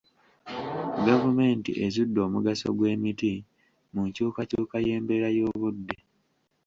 Gavumenti ezudde omugaso gw'emiti mu nkyukakyuka y'embeera y'obudde.